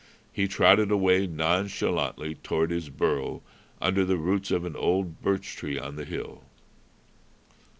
He trotted away nonchalantly toward his burrow under the roots of an old birch tree on the hill.